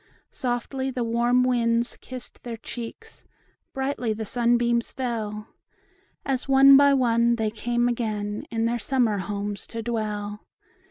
Softly the warm winds kissed their cheeks; Brightly the sunbeams fell, As, one by one, they came again In their summer homes to dwell.